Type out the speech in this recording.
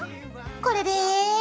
これで。